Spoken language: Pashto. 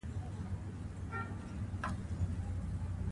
مالي موخې په درې ډوله دي.